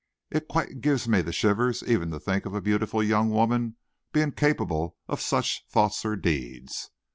It quite gives me the shivers even to think of a beautiful young woman being capable of such thoughts or deeds."